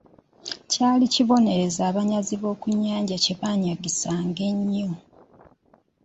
Kyali kibonerezo abanyazi b'oku nnyanja kye baajangisanga ennyo.